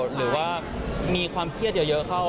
หรือว่ามีความเครียดเยอะเข้า